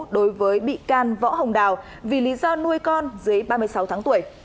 đối với bị can võ hồng đào vì lý do nuôi con dưới ba mươi sáu tháng tuổi